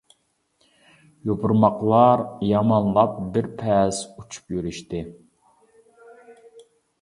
يوپۇرماقلار يامانلاپ، بىر پەس ئۇچۇپ يۈرۈشتى.